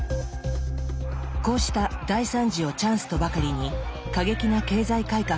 こうした大惨事をチャンスとばかりに過激な経済改革を断行する。